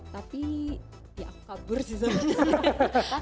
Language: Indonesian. tapi ya aku kabur sih soalnya